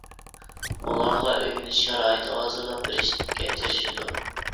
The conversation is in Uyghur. ئۇلارغا ئۆگىنىش شارائىتى ھازىرلاپ بېرىشكە تىرىشىدۇ.